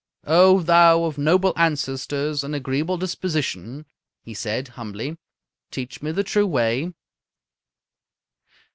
"O thou of noble ancestors and agreeable disposition!" he said, humbly. "Teach me the true way."